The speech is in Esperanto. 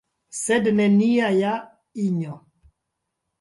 Sed nenia ja, Injo!